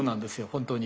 本当に。